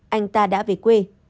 anh ta đã về quê